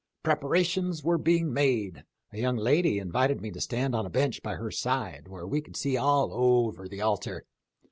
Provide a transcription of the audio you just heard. Preparations were being made ; a young lady invited me to stand on a bench by her side where we could see all over the altar.